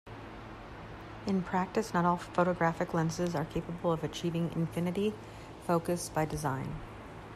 In practice, not all photographic lenses are capable of achieving infinity focus by design.